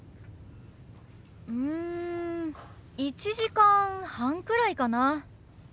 うん１時間半くらいかな。